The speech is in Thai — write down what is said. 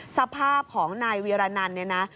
สภาพของนายเวียรนันเนี่ยนะ